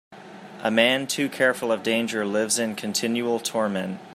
A man too careful of danger lives in continual torment.